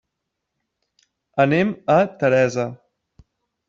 Anem a Teresa.